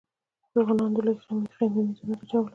ځوانانو د لويې خېمې مېزونو ته چلول.